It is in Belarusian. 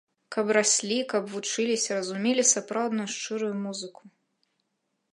Каб раслі, каб вучыліся, разумелі сапраўдную, шчырую музыку.